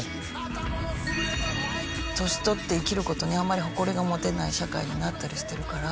年取って生きる事にあんまり誇りが持てない社会になったりしてるから。